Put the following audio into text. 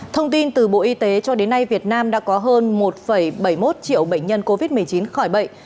thông tin từ bộ y tế cho đến nay việt nam đã có hơn một bảy mươi một triệu bệnh nhân covid một mươi chín khỏi bệnh